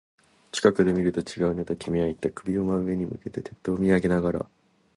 近くで見ると違うね、と君は言った。首を真上に向けて、鉄塔を見上げながら。